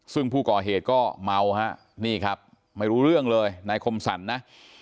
ซึ่งผู้ก่อเหตุก็เมาฮะนี่ครับไม่รู้เรื่องเลยนายคมสรรนะ